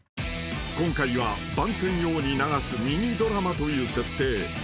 ［今回は番宣用に流すミニドラマという設定］